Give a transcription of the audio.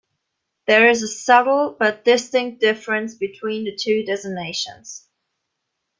There is a subtle but distinct difference between the two designations.